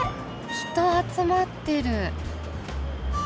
人集まってる。